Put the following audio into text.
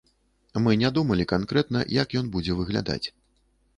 Мы не думалі канкрэтна, як ён будзе выглядаць.